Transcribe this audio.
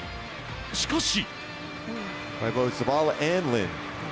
しかし。